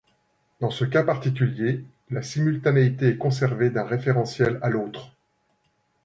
Dans ce cas particulier, la simultanéité est conservée d'un référentiel à l'autre.